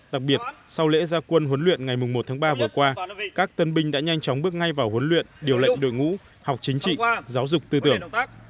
đặc biệt sau lễ gia quân huấn luyện ngày một tháng ba vừa qua các tân binh đã nhanh chóng bước ngay vào huấn luyện điều lệnh đội ngũ học chính trị giáo dục tư tưởng